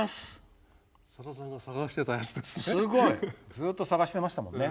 ずっと探してましたもんね。